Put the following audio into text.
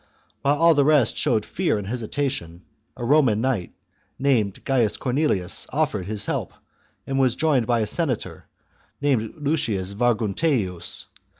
While all the rest showed fear and hesitation, a xxviii. Roman knight, named Gaius Cornelius, offered his help, and was joined by a senator, named Lucius Vargunteius.